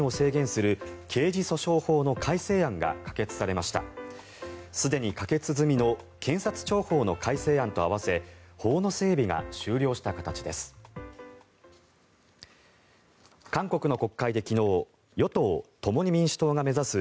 すでに可決済みの検察庁法の改正案と合わせ法の整備が終了した形です。